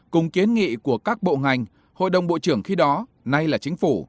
cùng kiến nghị của các bộ ngành hội đồng bộ trưởng khi đó nay là chính phủ